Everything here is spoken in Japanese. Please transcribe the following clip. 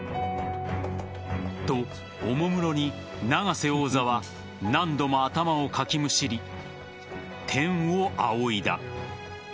と、おもむろに永瀬王座は何度も頭をかきむしり天を仰いだ。